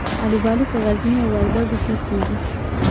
الوبالو په غزني او وردګو کې کیږي.